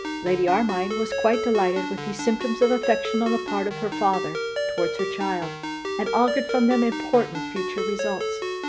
Lady Armine was quite delighted with these symptoms of affection on the part of her father towards her child, and augured from them important future results.